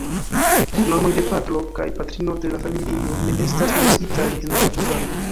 Nomoj de patro kaj patrino de la familio ne estas menciitaj en la programo.